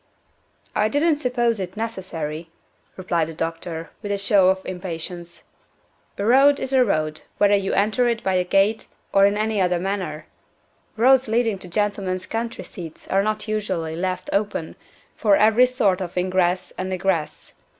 "I didn't suppose it necessary," replied the doctor, with a show of impatience. "A road is a road, whether you enter it by a gate or in any other manner. Roads leading to gentlemen's country seats are not usually left open for every sort of ingress and egress.